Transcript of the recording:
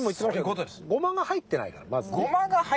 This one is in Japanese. ゴマが入ってないです。